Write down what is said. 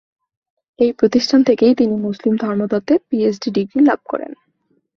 এই প্রতিষ্ঠান থেকেই তিনি মুসলিম ধর্মতত্ত্বে পিএইচডি ডিগ্রি লাভ করেন।